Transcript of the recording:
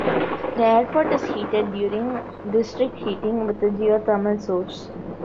The airport is heated using district heating with a geothermal source.